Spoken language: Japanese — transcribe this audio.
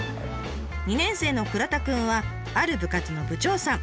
２年生の倉田君はある部活の部長さん。